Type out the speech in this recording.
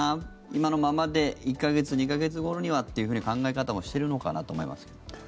今のままで１か月、２か月後にはという考え方もしているのかなと思いますけど。